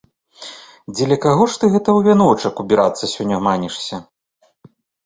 Дзеля каго ж ты гэта ў вяночак убірацца сягоння манішся?